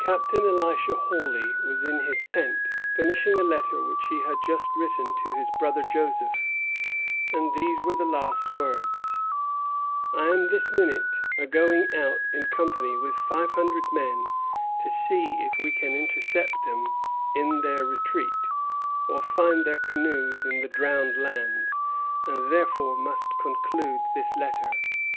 Captain Elisha Hawley was in his tent, finishing a letter which he had just written to his brother Joseph; and these were the last words: "I am this minute agoing out in company with five hundred men to see if we can intercept 'em in their retreat, or find their canoes in the Drowned Lands; and therefore must conclude this letter."